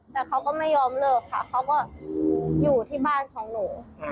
แต่เขาก็ไม่ยอมเลิกค่ะเขาก็อยู่ที่บ้านของหนู